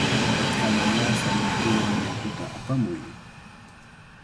¡Kalawasa matiwan yakuta apamuy!